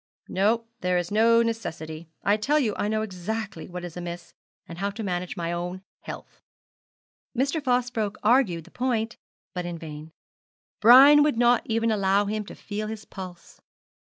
'No, there is no necessity. I tell you I know exactly what is amiss, and how to manage my own health.' Mr. Fosbroke argued the point, but in vain. Brian would not even allow him to feel his pulse.